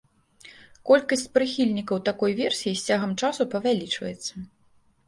Колькасць прыхільнікаў такой версіі з цягам часу павялічваецца.